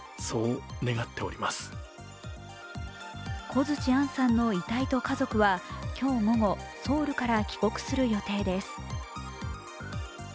小槌杏さんの遺体と家族は今日午後、ソウルから帰国する予定です。